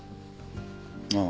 ああ。